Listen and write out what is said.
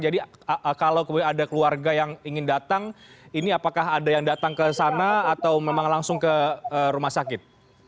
jadi kalau kemudian ada keluarga yang ingin datang ini apakah ada yang datang ke sana atau memang langsung ke rumah sakit